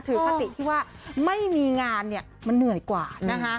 คติที่ว่าไม่มีงานเนี่ยมันเหนื่อยกว่านะคะ